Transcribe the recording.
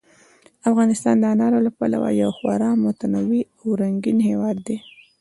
افغانستان د انارو له پلوه یو خورا متنوع او رنګین هېواد دی.